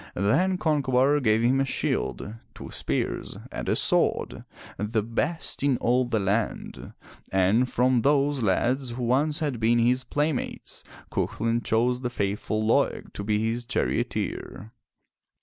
Then Concobar gave him a shield, two spears and a sword, the best in all the land, and from those lads who once had been his playmates Cuchulain chose the faithful Laeg to be his charioteer.